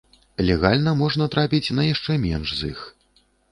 Легальна можна трапіць на яшчэ менш з іх.